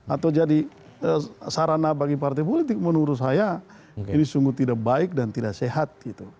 atau jadi sarana bagi partai politik menurut saya ini sungguh tidak baik dan tidak sehat